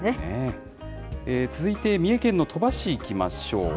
続いて三重県の鳥羽市いきましょう。